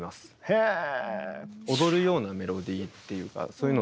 へえ。